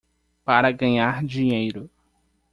Para ganhar dinheiro